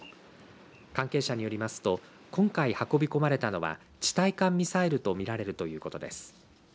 関係者によりますと今回、運び込まれたのは地対艦ミサイルとみられるということです。